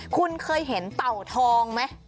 คุณเคยเห็นเต่าทองไหม